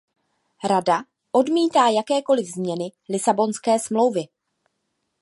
Rada odmítá jakékoli změny Lisabonské smlouvy.